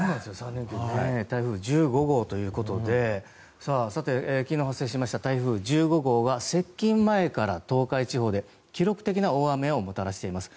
３連休台風１５号ということでさて、昨日発生しました台風１５号は、接近前から東海地方で記録的な大雨をもたらしています。